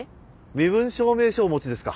身分証明書お持ちですか？